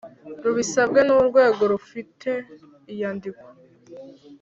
rubisabwe n urwego rufite iyandikwa